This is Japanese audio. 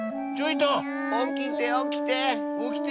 おきておきて！